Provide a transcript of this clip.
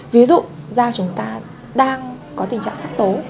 ví dụ do chúng ta đang có tình trạng sắc tố